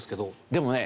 でもね